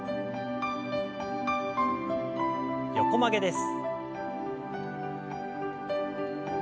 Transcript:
横曲げです。